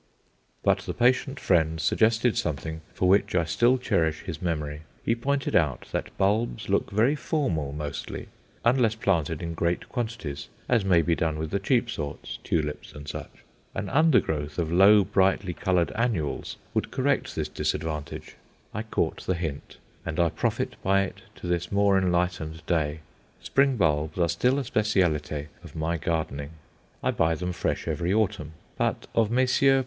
But the patient friend suggested something for which I still cherish his memory. He pointed out that bulbs look very formal mostly, unless planted in great quantities, as may be done with the cheap sorts tulips and such. An undergrowth of low brightly coloured annuals would correct this disadvantage. I caught the hint, and I profit by it to this more enlightened day. Spring bulbs are still a spécialité of my gardening. I buy them fresh every autumn but of Messrs.